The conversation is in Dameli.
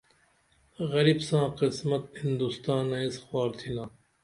غریب ساں قسمت ہندوستنہ یس خوار تھینا